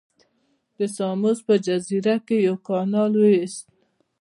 د ساموس په جزیره کې یې یو کانال وویست.